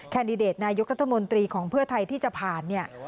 แดดิเดตนายกรัฐมนตรีของเพื่อไทยที่จะผ่านเนี่ย